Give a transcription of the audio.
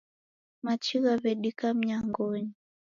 Machi ghaw'edika mnyangonyi.